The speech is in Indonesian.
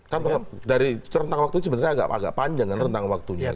kan dari rentang waktunya sebenarnya agak panjang kan rentang waktunya kan